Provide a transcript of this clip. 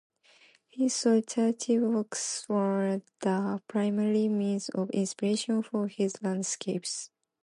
His solitary walks were the primary means of inspiration for his landscapes.